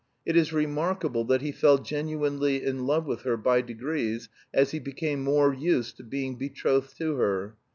It is remarkable that he fell genuinely in love with her by degrees as he became more used to being betrothed to her.